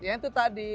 ya itu tadi